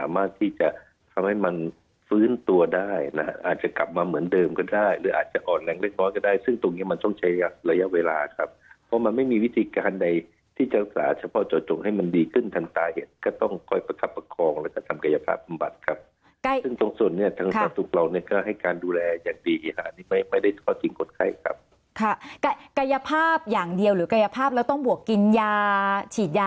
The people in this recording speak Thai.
มาเหมือนเดิมก็ได้หรืออาจจะอ่อนแรงเล็กน้อยก็ได้ซึ่งตรงเนี้ยมันต้องใช้ระยะเวลาครับเพราะมันไม่มีวิธีการใดที่จะศาสตร์เฉพาะเจาะจงให้มันดีขึ้นทางตายเห็นก็ต้องค่อยประคับประคองแล้วก็ทำกายภาพปับบัตรครับใกล้ซึ่งตรงส่วนเนี้ยทางศาสตร์ทุกเราเนี้ยก็ให้การดูแลอย่างดีฮะนี่